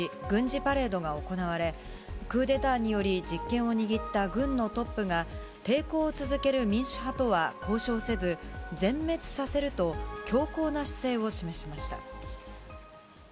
軍事パレードが行われクーデターにより実権を握った軍のトップが抵抗を続ける民主派とは交渉せず全滅させると強硬な姿勢を示しました。